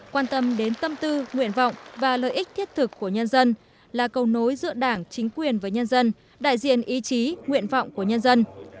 quan tâm đến tâm tư nguyện vọng và lợi ích thiết thực của nhân dân là cầu nối giữa đảng chính quyền với nhân dân đại diện ý chí nguyện vọng của nhân dân